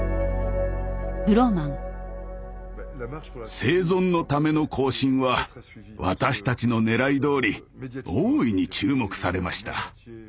「生存のための行進」は私たちのねらいどおり大いに注目されました。